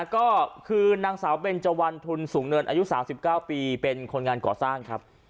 ก็คือนางสาวเบนเจวันทุนสูงเนินอายุ๓๙ปีเป็นคนงานก่อสร้างครับ